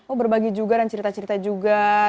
oh berbagi juga dan cerita cerita juga